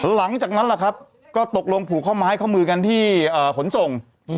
หลังจากนั้นล่ะครับก็ตกลงผูกข้อไม้ข้อมือกันที่ขนส่ง